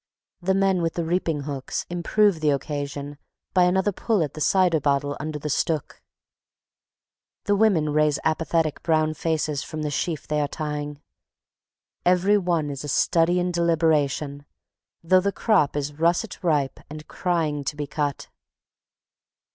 The men with the reaping hooks improve the occasion by another pull at the cider bottle under the stook; the women raise apathetic brown faces from the sheaf they are tying; every one is a study in deliberation, though the crop is russet ripe and crying to be cut.